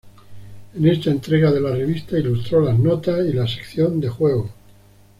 En esta entrega de la revista ilustró las notas y la sección de juegos.